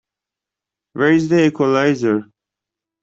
Where is the equalizer?